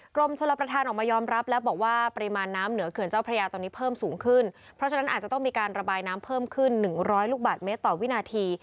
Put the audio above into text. กรมชลประธานออกมายอมรับแล้วบอกว่าปริมาณน้ำเหนือเขื่อนเจ้าพระยาตอนนี้เพิ่มสูงขึ้นเพราะฉะนั้นอาจจะต้องมีการระบายน้ำเพิ่มขึ้นหนึ่งร้อยลูกบาทเมตรต่อวินาที